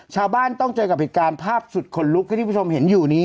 ชาวบ้านต้องเจอกับเหตุการณ์ภาพสุดขนลุกที่ที่ผู้ชมเห็นอยู่นี้